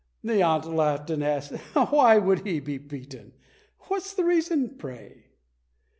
The aunt laughed, and asked, "Why should he be beaten; what's the reason, pray?"